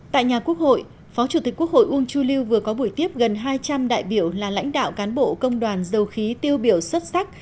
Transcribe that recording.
tại nhà quốc hội phó chủ tịch quốc hội uông chu lưu vừa có buổi tiếp gần hai trăm linh đại biểu là lãnh đạo cán bộ công đoàn dầu khí tiêu biểu xuất sắc